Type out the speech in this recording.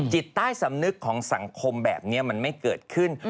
จิตใต้สำนึกของสังคมแบบนี้มันไม่เกิดขึ้น